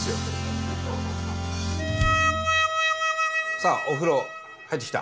さあお風呂入ってきた？